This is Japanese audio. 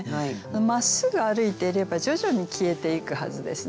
まっすぐ歩いていれば徐々に消えていくはずですね